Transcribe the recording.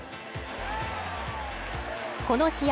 この試合